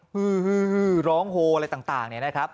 ฮือฮือฮือร้องโหอะไรต่างเนี่ยนะครับ